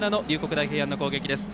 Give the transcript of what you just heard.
大平安の攻撃です。